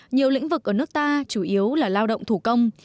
nhiều lĩnh vực ở nước ta chủ yếu là lao động thủ công